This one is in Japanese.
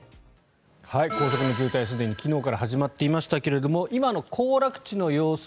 高速の渋滞すでに昨日から始まっていましたが今の行楽地の様子